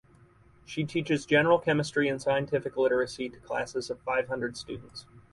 She teaches general chemistry and scientific literacy to classes of five hundred students.